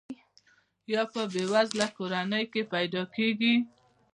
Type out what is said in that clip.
یا په بې وزله کورنۍ کې پیدا کیږي.